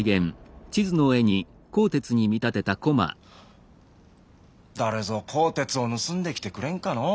ハァ誰ぞ「甲鉄」を盗んできてくれんかのう。